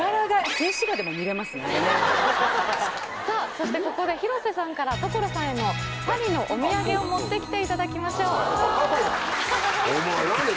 そしてここで広瀬さんから所さんへのパリのおみやげを持ってきていただきましょう。